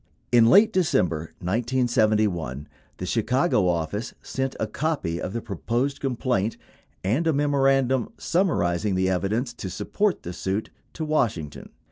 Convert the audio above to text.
In late December 1971, the Chicago office sent a copy of the proposed complaint and a memorandum summarizing the evidence to support the suit to Washington.